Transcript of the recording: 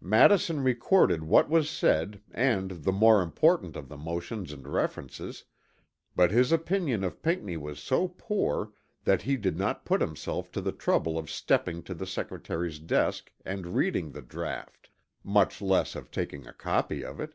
Madison recorded what was said, and the more important of the motions and references, but his opinion of Pinckney was so poor that he did not put himself to the trouble of stepping to the Secretary's desk and reading the draught, much less of taking a copy of it.